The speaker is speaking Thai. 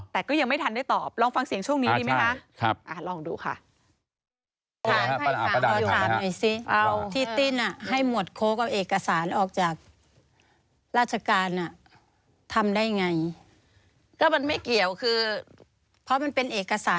แต่ก็ยังไม่ทันได้ตอบลองฟังเสียงช่วงนี้ดีไหมคะลองดูค่ะ